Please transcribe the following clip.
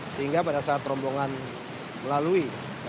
sehingga pada saat rombongan melalui